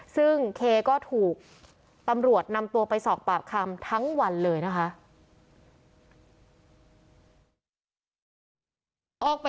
ซึ่งเคก็ถูกตำรวจนำตัวไปสอบปากคำทั้งวันเลยนะคะ